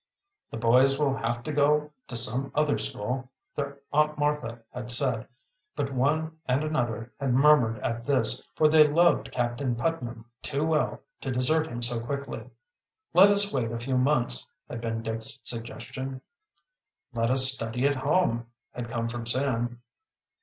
"The boys will have to go to some other school," their Aunt Martha had said, but one and another had murmured at this, for they loved Captain Putnam too well to desert him so quickly. "Let us wait a few months," had been Dick's suggestion. "Let us study at home," had come from Sam.